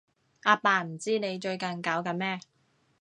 阿爸唔知你最近搞緊咩